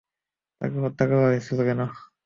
তাকে হত্যা করেছিস কেন?